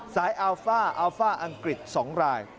อัลฟ่าอัลฟ่าอังกฤษ๒ราย